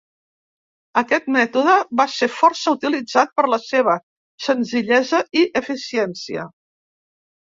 Aquest mètode va ser força utilitzat per la seva senzillesa i eficiència.